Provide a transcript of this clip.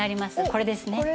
これですね。